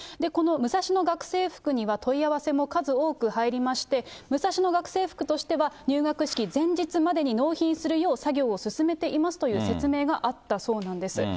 このムサシノ学生服には問い合わせも数多く入りまして、ムサシノ学生服としては、入学式前日までに納品するよう作業を進めていますという説明があったそうなんです。